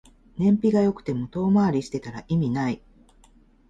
燃費が良くても遠回りしてたら意味ない